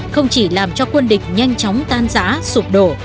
không chỉ làm cho quân địch nhanh chóng tan giá sụp đổ